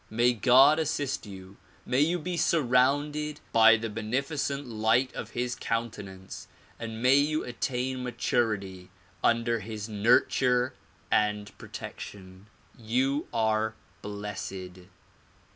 May God assist you. May you be surrounded by the beneficent light of his countenance and may you attain maturity under his nurture and protection. You are all blessed.